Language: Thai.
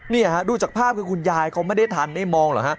นี่ฮะดูจากภาพคือคุณยายเขาไม่ได้ทันได้มองเหรอฮะ